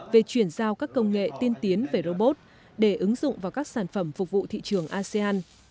về chuyển giao các công nghệ tiên tiến về robot để ứng dụng vào các sản phẩm phục vụ thị trường asean